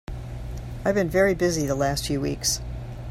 I've been very busy the last few weeks.